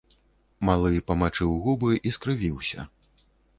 Малы памачыў губы і скрывіўся.